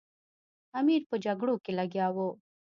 امیر په جګړو کې لګیا وو.